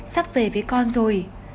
sắp về với con rồi